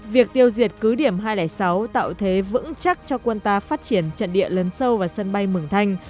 việc tiêu diệt cứ điểm hai trăm linh sáu tạo thế vững chắc cho quân ta phát triển trận địa lớn sâu vào sân bay mường thanh